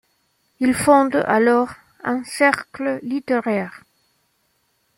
Il fonde alors un cercle littéraire.